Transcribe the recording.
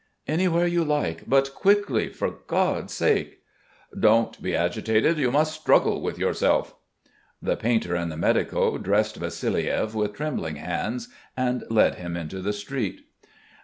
"Anywhere you like, but quickly, for God's sake!" "Don't be agitated. You must struggle with yourself." The painter and the medico dressed Vassiliev with trembling hands and led him into the street.